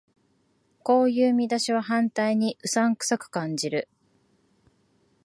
こういう見出しは反対にうさんくさく感じる